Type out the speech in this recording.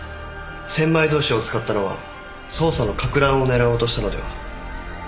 千枚通しを使ったのは捜査のかく乱を狙おうとしたのでは？